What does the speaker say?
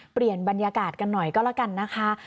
เปลี่ยนบรรยากาศกันหน่อยก็แล้วกันนะคะ